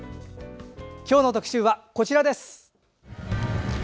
今日の特集は、こちらです。